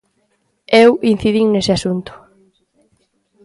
Eu incidín nese asunto.